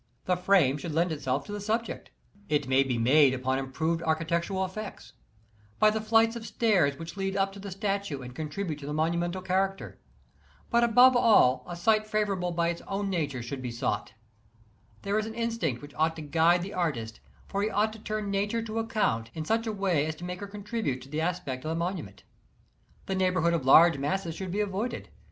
The frame should lend itself to the subject It may be made upon improved arch itectural effects, by the flights of stairs which lead up to the statue and contribute to the monumental character, but above all a site favorable by its own nature should be sought There is an instinct which ought to guide the artist, for he ought to turn Nature to account in such a way as to make her contribute to the aspect of the monu ment The neighborhood of large masses should be avoid ed.